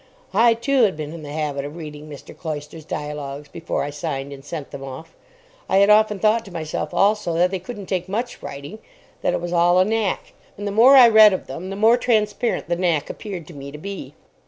I, too, had been in the habit of reading Mr. Cloyster's dialogues before I signed and sent them off. I had often thought to myself, also, that they couldn't take much writing, that it was all a knack; and the more I read of them the more transparent the knack appeared to me to be.